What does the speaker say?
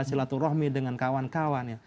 silaturahmi dengan kawan kawan